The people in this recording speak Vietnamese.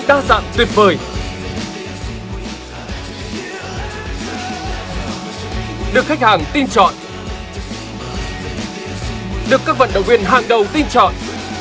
được các vận động viên hàng đầu tin chọn